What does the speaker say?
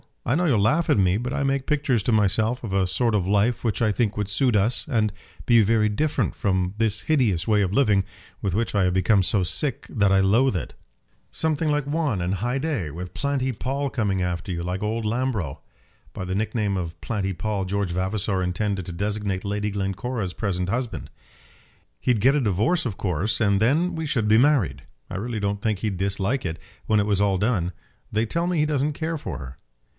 I know you'll laugh at me; but I make pictures to myself of a sort of life which I think would suit us, and be very different from this hideous way of living, with which I have become so sick that I loathe it." "Something like Juan and Haidée, with Planty Pall coming after you, like old Lambro." By the nickname of Planty Pall George Vavasor intended to designate Lady Glencora's present husband. "He'd get a divorce, of course, and then we should be married. I really don't think he'd dislike it, when it was all done. They tell me he doesn't care for her."